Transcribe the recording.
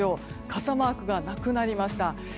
傘マークがなくなりました。